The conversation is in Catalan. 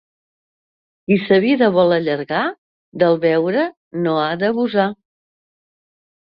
Qui sa vida vol allargar del beure no ha d'abusar.